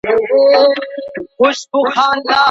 کوم خنډونه د بریالیتوب پر وړاندي تر ټولو لوی ګواښ دی؟